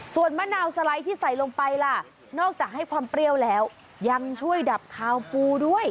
ส่วนมะนาวสไลด์ที่ใส่ลงไปล่ะนอกจากให้ความเปรี้ยวแล้วยังช่วยดับคาวปูด้วย